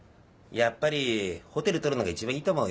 やっぱりホテルとるのが一番いいと思うよ。